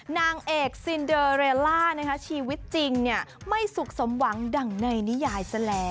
นางเอกซินเดอเรลล่าชีวิตจริงไม่สุขสมหวังดังในนิยายแสลง